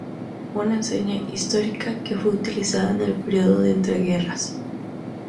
Una enseña histórica que fue utilizada en el Período de entreguerras.